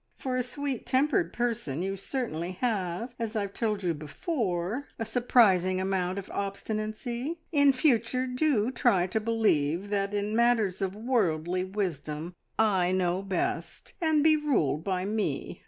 For a sweet tempered person, you certainly have, as I've told you before, a surprising amount of obstinacy. In future do try to believe that in matters of worldly wisdom I know best, and be ruled by me!